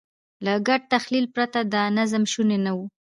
له ګډ تخیل پرته دا نظم شونی نه و.